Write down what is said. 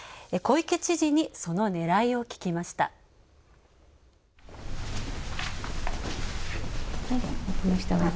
小池知事に、そのねらいを聞きました。